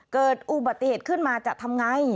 เกิดอุบัติเหตุขึ้นมาจะทำไง